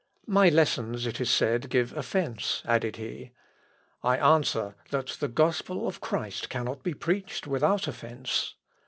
My lessons, it is said, give offence," added he. "I answer that the gospel of Christ cannot be preached without offence.